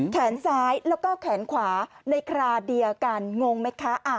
แขนซ้ายแล้วก็แขนขวาในคราเดียวกันงงไหมคะ